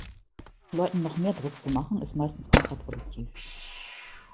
Leuten noch mehr Druck zu machen, ist meistens kontraproduktiv.